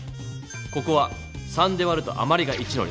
ここは３で割るとあまりが１の列。